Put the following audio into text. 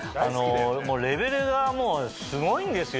レベルがもうすごいんですよ